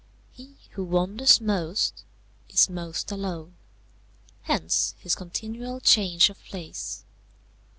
He who wanders most is most alone; hence his continual change of place.